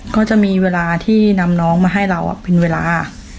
ก็จะมีเวลาที่นำน้องมาให้เราเป็นเวลา